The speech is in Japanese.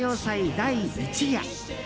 第１夜。